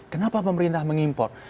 kenapa pemerintah mengimpor